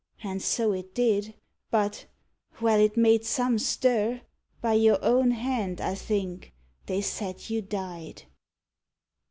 And so it did! but ... well, it made some stir By your own hand, I think, they said you died.